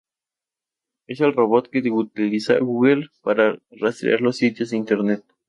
Es el robot que utiliza Google para 'rastrear' los sitios de Internet.